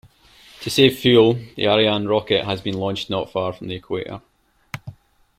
To save fuel, the Ariane rocket has been launched not far from the equator.